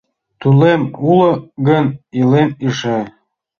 — Тулем уло гын, илем эше.